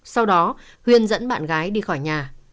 sau đó huyền dẫn bạn gái đi khỏi nhà